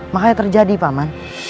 makanya terjadi paman